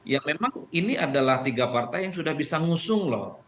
ya memang ini adalah tiga partai yang sudah bisa ngusung loh